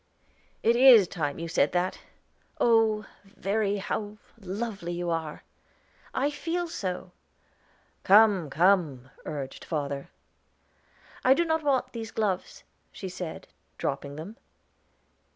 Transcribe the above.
"It is time you said that. Oh, Verry! how lovely you are!" "I feel so." "Come, come," urged father. "I do not want these gloves," she said, dropping them.